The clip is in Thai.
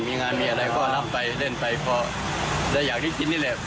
มีงานมีอะไรก็รับไปเล่นไปพอได้อยากได้กินนี่แหละ